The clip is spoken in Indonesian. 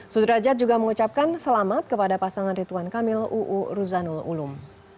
sudrajat juga mengucapkan selamat kepada pasangan rituan kamil uu ruzanul ulum